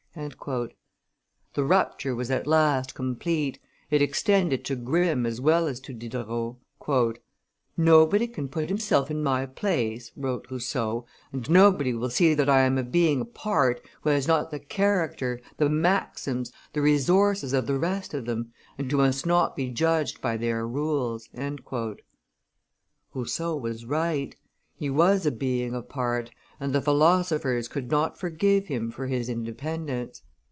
The rupture was at last complete, it extended to Grimm as well as to Diderot. "Nobody can put himself in my place," wrote Rousseau, "and nobody will see that I am a being apart, who has not the character, the maxims, the resources of the rest of them, and who must not be judged by their rules." Rousseau was right; he was a being apart; and the philosophers could not forgive him for his independence.